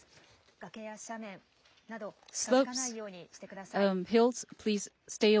崖や斜面など、近づかないようにしてください。